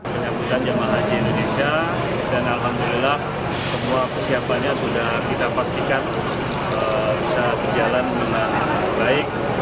penyambutan jemaah haji indonesia dan alhamdulillah semua persiapannya sudah kita pastikan bisa berjalan dengan baik